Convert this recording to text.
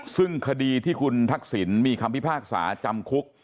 ซึ่งคดีที่คุณทักษิณมีคำพิพากษาจำคุก